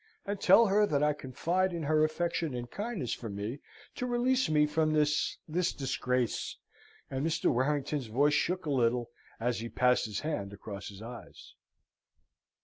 And tell her, that I confide in her affection and kindness for me to release me from this this disgrace," and Mr. Warrington's voice shook a little, and he passed his hand across his eyes.